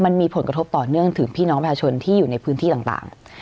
มันมีผลกระทบต่อเนื่องถึงพี่น้องประชาชนที่อยู่ในพื้นที่ต่าง